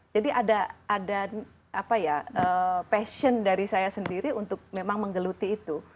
jadi ada passion dari saya sendiri untuk memang menggeluti itu